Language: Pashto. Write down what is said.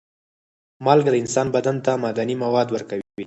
مالګه د انسان بدن ته معدني مواد ورکوي.